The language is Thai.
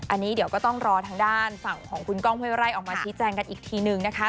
อันนี้เดี๋ยวก็ต้องรอทางด้านฝั่งของคุณก้องห้วยไร่ออกมาชี้แจงกันอีกทีนึงนะคะ